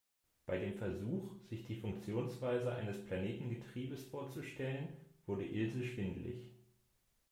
Bei dem Versuch, sich die Funktionsweise eines Planetengetriebes vorzustellen, wurde Ilse schwindelig.